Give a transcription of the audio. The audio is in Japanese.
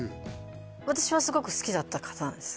私はすごく好きだった方なんです